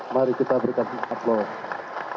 mari kita berikan aplaus